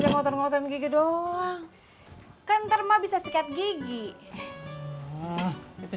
berarti mata lu keduduk periksa tuh